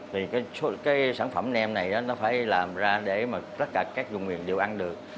thì cái sản phẩm nem này nó phải làm ra để mà tất cả các dùng miền đều ăn được